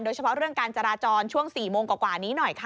โดยเฉพาะเรื่องการจราจรช่วง๔โมงกว่านี้หน่อยค่ะ